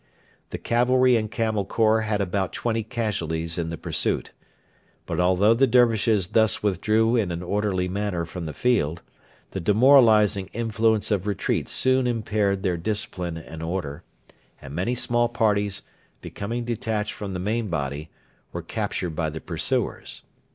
The cavalry and Camel corps had about twenty casualties in the pursuit. But although the Dervishes thus withdrew in an orderly manner from the field, the demoralising influence of retreat soon impaired their discipline and order, and many small parties, becoming detached from the main body, were captured by the pursuers.